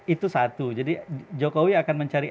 itu satu jadi jokowi akan mencari